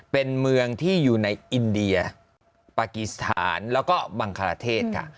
เป็นเมืองที่อยู่ในอินเดียปากีสถานแล้วก็บังคาราเทศค่ะ